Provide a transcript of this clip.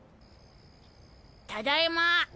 ただいま！